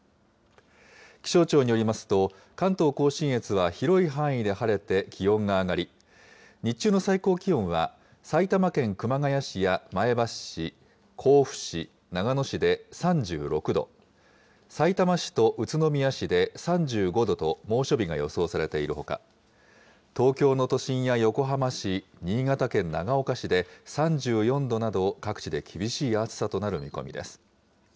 気象庁によりますと、関東甲信越は広い範囲で晴れて、気温が上がり、日中の最高気温は、埼玉県熊谷市や前橋市、甲府市、長野市で３６度、さいたま市と宇都宮市で３５度と猛暑日が予想されているほか、東京の都心や横浜市、新潟県長岡市で３４度など、各地で厳しい暑さとなる見込みです。